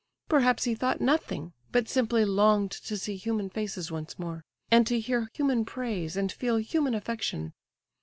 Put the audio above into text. Perhaps he thought nothing, but simply longed to see human faces once more, and to hear human praise and feel human affection.